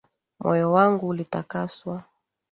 Moyo wangu ulitakaswa.